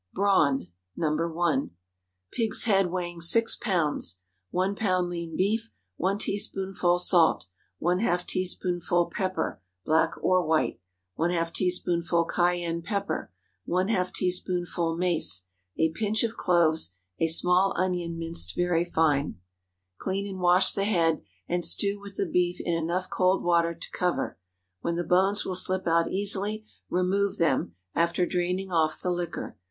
BRAWN (No. 1.) Pig's head weighing 6 lbs. 1 lb. lean beef. 1 teaspoonful salt. ½ teaspoonful pepper (black or white). ½ teaspoonful cayenne pepper. ½ teaspoonful mace. A pinch of cloves. A small onion minced very fine. Clean and wash the head, and stew with the beef in enough cold water to cover. When the bones will slip out easily, remove them, after draining off the liquor.